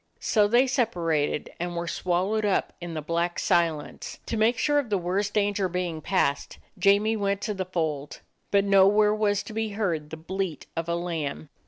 So they separated, and were swallowed up in the black silence. To make sure of the worst danger being passed, Jamie went to the fold, but nowhere was to be heard the bleat of a lamb.